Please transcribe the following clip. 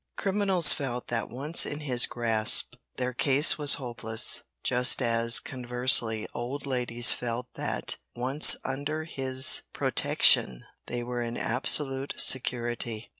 Criminals felt that once in his grasp their case was hopeless, just as, conversely, old ladies felt that once under his protection they were in absolute security.